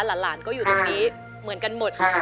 หลานก็อยู่ตรงนี้เหมือนกันหมดค่ะ